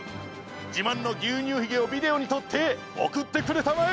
じまんのぎゅうにゅうヒゲをビデオにとっておくってくれたまえ！